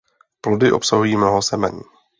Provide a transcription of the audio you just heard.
Plody obsahují mnoho semen.